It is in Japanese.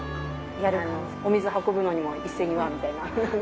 お水運ぶのにも一斉にわーみたいな。